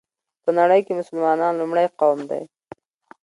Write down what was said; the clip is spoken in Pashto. په نړۍ كې مسلمانان لومړى قوم دى